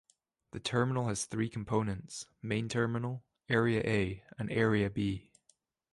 The terminal has three components, Main Terminal, Area A and Area B.